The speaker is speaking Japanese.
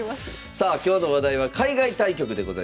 さあ今日の話題は海外対局でございます。